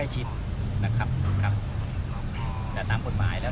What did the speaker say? ไม่ใช่นี่คือบ้านของคนที่เคยดื่มอยู่หรือเปล่า